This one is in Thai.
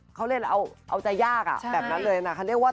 เขาเลล่ายังว่าแบบเอาใจยากอ่ะ